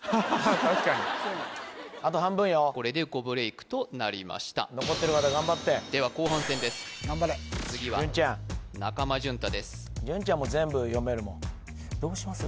確かにあと半分よこれで５ブレイクとなりました残ってる方頑張ってでは後半戦です頑張れ次は中間淳太です淳ちゃんも全部読めるもんどうします？